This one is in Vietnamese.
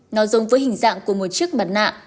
nó giống với hình dạng của một chiếc mặt nạ